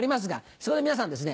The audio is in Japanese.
そこで皆さんですね